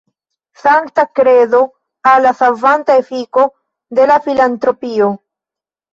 Sankta kredo al la savanta efiko de la filantropio!